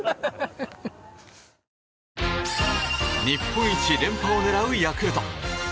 日本一連覇を狙うヤクルト。